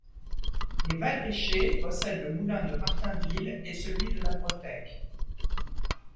Les Val-Richer possèdent le moulin de Martainville et celui de la Bretêque.